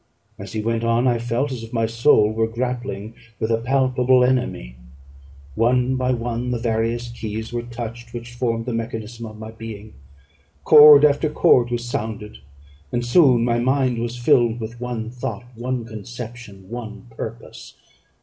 As he went on, I felt as if my soul were grappling with a palpable enemy; one by one the various keys were touched which formed the mechanism of my being: chord after chord was sounded, and soon my mind was filled with one thought, one conception, one purpose.